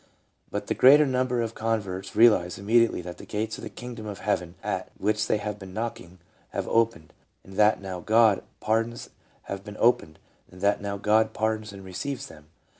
But the greater number of converts realize immediately that the gates of the kingdom of heaven at which they have been knocking, have opened, and that now God pardons and receives them.